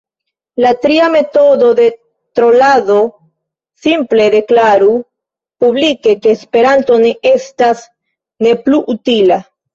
La tria metodo de trolado, simple deklaru publike ke esperanto estas ne plu utila.